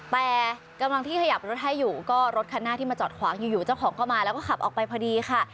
แต่กำลังที่ขยับรถให้อยู่ก็รถคันหน้าที่มาจอดขวางอยู่เจ้าของก็มาแล้วก็ขับออกไปพอดีค่ะ